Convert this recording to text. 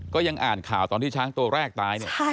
ก็ยังอ่านข่าวตอนที่ช้างตัวแรกตายเนี่ย